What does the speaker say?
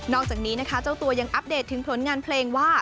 อกจากนี้นะคะเจ้าตัวยังอัปเดตถึงผลงานเพลงว่า